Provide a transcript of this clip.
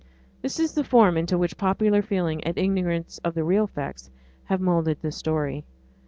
This is the form into which popular feeling, and ignorance of the real facts, have moulded the story.